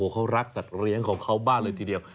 เขารักสัตว์เลี้ยงของเขามากเลยทีเดียว